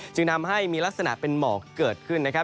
จึงทำให้มีลักษณะเป็นหมอกเกิดขึ้นนะครับ